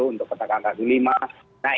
untuk petang angka lima nah